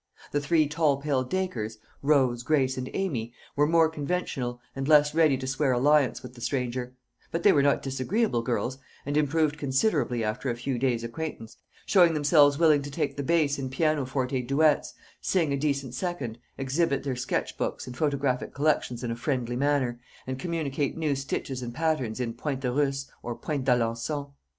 The three tall pale Dacres, Rose, Grace, and Amy, were more conventional, and less ready to swear alliance with the stranger; but they were not disagreeable girls, and improved considerably after a few days' acquaintance, showing themselves willing to take the bass in pianoforte duets, sing a decent second, exhibit their sketch books and photographic collections in a friendly manner, and communicate new stitches and patterns in point de Russe or point d'Alençon.